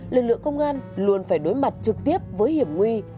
lực lượng công an luôn phải đối mặt trực tiếp với hiểm nguy